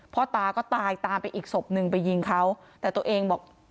พ่อตาก็ตายตามไปอีกศพหนึ่งไปยิงเขาแต่ตัวเองบอก